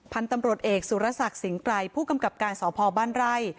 พันธ์ตำรวจเอกสุรสักษิงไกรผู้กำกับการสอบภอบ้านไร่